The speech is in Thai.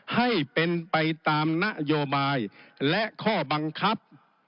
ให้เป็นไปตามนโยบายและข้อบังคับ